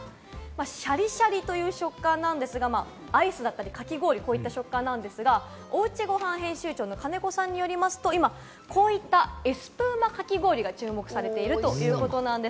シャリシャリという食感なんですが、アイスだったりかき氷、こういった食感ですが、『おうちごはん』編集長の金子さんによりますと今こういったエスプーマかき氷が注目されているということです。